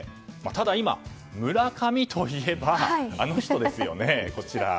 ただ、今村上といえばあの人ですよね。